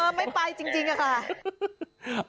เออไม่ไปจริงอ่ะค่ะ